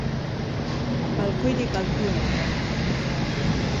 Balkoirik altuena da.